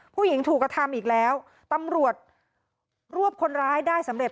ผู้หญิงถูกกระทำอีกแล้วตำรวจรวบคนร้ายได้สำเร็จ